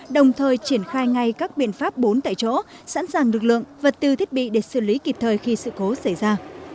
đồng thời triển khai ngay các biện pháp bốn tại chỗ sẵn sàng lực lượng vật tư thiết bị để xử lý kịp thời khi sự cố xảy ra